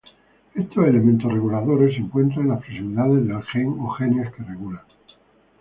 Estos elementos reguladores se encuentran en las proximidades del gen, o genes, que regulan.